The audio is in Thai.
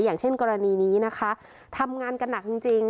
อย่างเช่นกรณีนี้นะคะทำงานกันหนักจริง